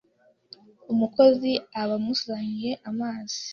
Umukozi aba amuzaniye amazi,